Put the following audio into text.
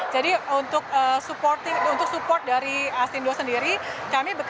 jadi untuk support dari asindo sendiri